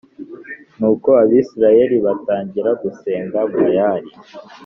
Nuko Abisirayeli batangira gusenga Bayali